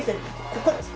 ここです。